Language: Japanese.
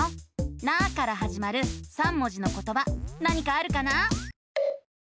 「な」からはじまる３文字のことば何かあるかな？